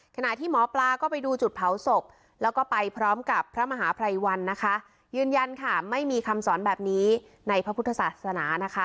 ขณะที่หมอปลาก็ไปดูจุดเผาศพแล้วก็ไปพร้อมกับพระมหาภัยวันนะคะยืนยันค่ะไม่มีคำสอนแบบนี้ในพระพุทธศาสนานะคะ